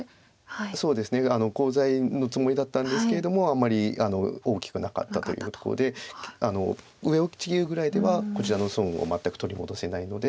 そうですねコウ材のつもりだったんですけれどもあんまり大きくなかったというところで上をちぎるぐらいではこちらの損を全く取り戻せないので